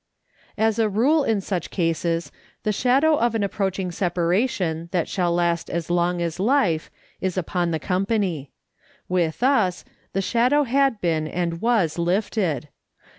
As a rule in such cases, the shadow of an approach ing, separation that shall last as long as life, is upon the company. With us, the shadow had been and was lifted.